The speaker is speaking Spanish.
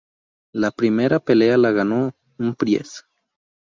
La primera pelea la ganó Humphries.